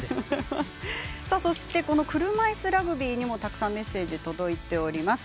そして車いすラグビーにもたくさんメッセージ届いております。